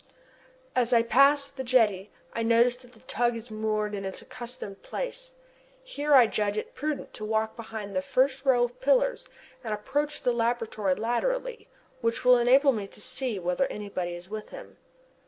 As I pass the jetty I notice that the tug is moored in its accustomed place. Here I judge it prudent to walk behind the first row of pillars and approach the laboratory laterally which will enable me to see whether anybody is with him.